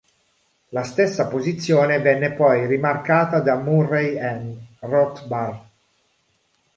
La stessa posizione venne poi rimarcata da Murray N. Rothbard.